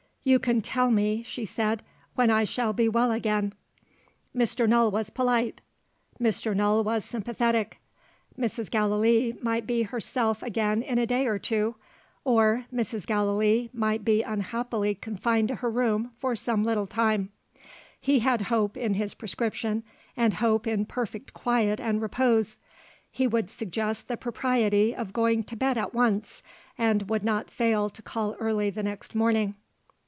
"You can tell me," she said, "when I shall be well again." Mr. Null was polite; Mr. Null was sympathetic. Mrs. Gallilee might be herself again in a day or two or Mrs. Gallilee might be unhappily confined to her room for some little time. He had hope in his prescription, and hope in perfect quiet and repose he would suggest the propriety of going to bed at once, and would not fail to call early the next morning.